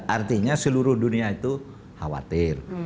artinya seluruh dunia itu khawatir